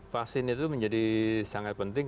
vaksin itu menjadi sangat penting